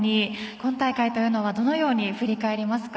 今大会というのはどのように振り返りますか？